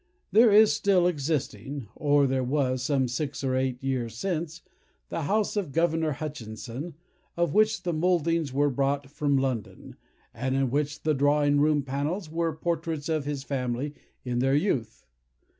There is still existing (or there was, some six or eight years since,) the house of Governor Hutchinson, of which the mouldings were brought from London, and in which the drawing room panels were portraits of his family, in their youth.